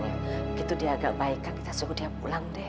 begitu dia agak baik kita suruh dia pulang deh